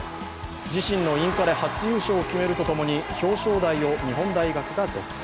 自身のインカレ初優勝を決めるとともに、表彰台を日本大学が独占。